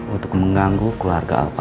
untuk mengganggu keluarga alpari